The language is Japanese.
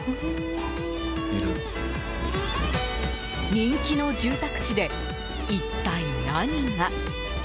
人気の住宅地で一体、何が？